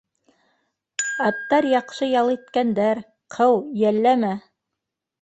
Аттар яҡшы ял иткәндәр — ҡыу, йәлләмә.